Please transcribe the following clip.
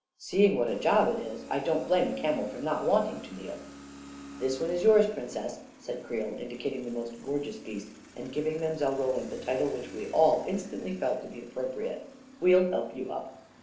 Seeing what a job it is, I don't blame a camel for not wanting to kneel ! 44 This one is yours, Princess," said Creel, indi cating the most gorgeous beast and giving Mile* Roland the title which we all instantly felt to be appropriate. 4< We'll help you up."